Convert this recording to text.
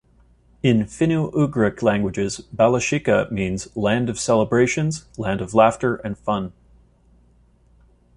In finno-ugric languages Bala-shika means land of celebrations, land of laughter and fun.